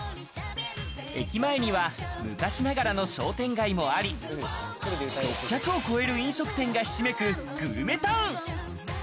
駅前には昔ながらの商店街もあり、６００を超える飲食店がひしめくグルメタウン。